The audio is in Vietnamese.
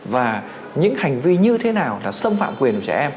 và những hành vi như thế nào là xâm phạm quyền của trẻ em